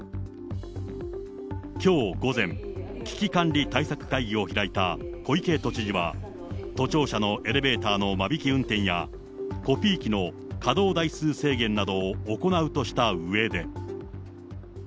きょう午前、危機管理対策会議を開いた小池都知事は、都庁舎のエレベーターの間引き運転や、コピー機の稼働台数制限などを行うとしたうえで。